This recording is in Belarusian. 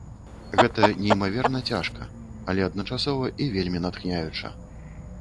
Гэта неймаверна цяжка, але адначасова і вельмі натхняюча.